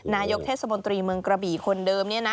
นายกเทศบนตรีเมืองกระบี่คนเดิมเนี่ยนะ